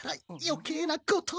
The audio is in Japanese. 余計なこと？